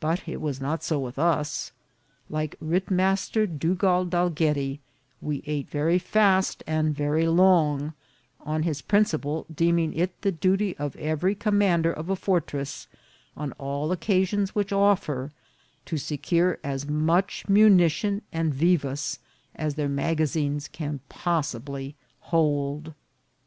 But it was not so with us. Like Rittmaster Du gald Dalgetty, we ate very fast and very long, on his principle deeming it the duty of every commander of a fortress, on all occasions which offer, to secure as much munition and vivas as their magazines can possibly hold.